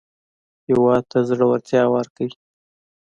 هېواد ته زړورتیا ورکړئ